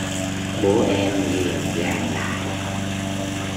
Bố em liền gàn lại